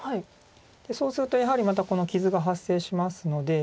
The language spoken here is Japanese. そうするとやはりまたこの傷が発生しますので。